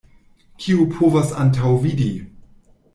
Kiu povas antaŭvidi!